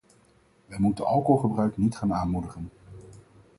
Wij moeten alcoholgebruik niet gaan aanmoedigen.